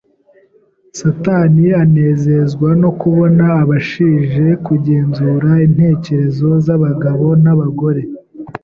Satani anezezwa no kubona abashije kugenzura intekerezo z’abagabo n’abagore